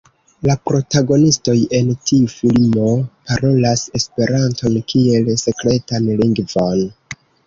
La protagonistoj en tiu filmo parolas Esperanton kiel sekretan lingvon.